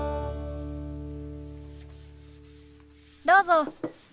どうぞ。